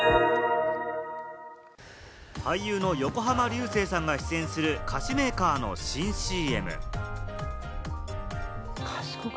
俳優の横浜流星さんが出演する菓子メーカーの新ＣＭ。